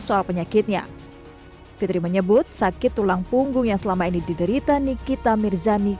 soal penyakitnya fitri menyebut sakit tulang punggung yang selama ini diderita nikita mirzani